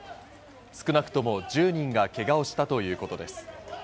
少なくとも１０人がけがをしたということです。